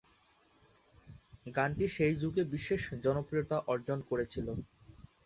গানটি সেই যুগে বিশেষ জনপ্রিয়তা অর্জন করেছিল।